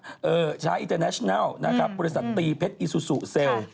บริษัทช้าอินเตอร์แนชนัลนะครับบริษัทตีเพชรอิสุสุเซลล์